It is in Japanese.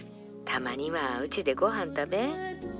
たまにはうちでごはん食べ。